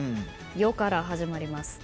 「よ」から始まります。